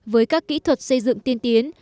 với các kỹ thuật xây dựng tiên tiến